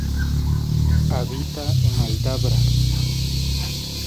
Habita en Aldabra.